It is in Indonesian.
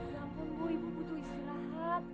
ya ampun bu ibu butuh istirahat